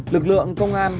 lực lượng công an